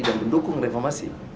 dan mendukung reformasi